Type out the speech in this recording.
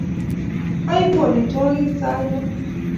Aipun amitwogik sait lo